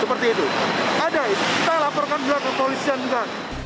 seperti itu ada itu kita laporkan juga ke polisian juga